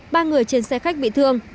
ba người trên xe khách bị thương